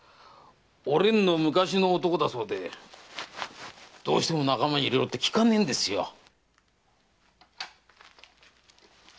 お蓮の昔の男だそうでどうしても仲間に入れろってきかねえんですよ。